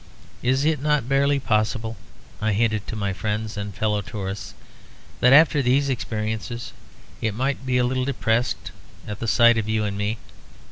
Is it not barely possible, I hinted to my friends and fellow tourists, that after these experiences, it might be a little depressed at the sight of you and me?